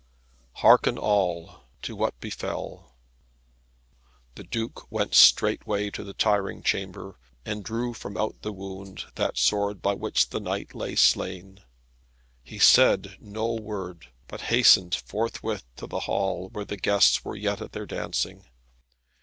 Hearken all to what befell. The Duke went straightway to the tiring chamber, and drew from out the wound that sword by which the knight lay slain. He said no word, but hastened forthwith to the hall where the guests were yet at their dancing.